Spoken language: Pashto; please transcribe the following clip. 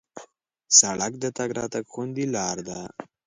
سړک د تګ راتګ خوندي لاره ده.